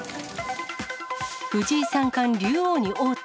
藤井三冠、竜王に王手。